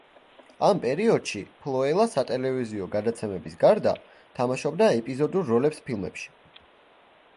ამ პერიოდში, ფლოელა სატელევიზიო გადაცემების გარდა თამაშობდა ეპიზოდურ როლებს ფილმებში.